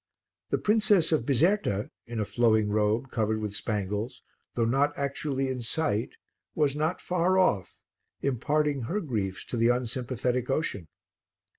The Princess of Bizerta in a flowing robe, covered with spangles, though not actually in sight, was not far off, imparting her griefs to the unsympathetic ocean.